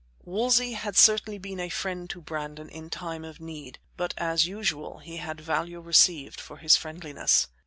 Wolsey had certainly been a friend to Brandon in time of need, but, as usual, he had value received for his friendliness.